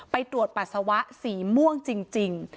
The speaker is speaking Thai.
ไปตรวจปัสสาวะสีม่วงจริง